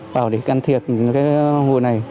bảo để can thiệp những cái hồi này